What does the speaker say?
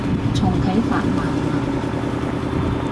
重啟法萬能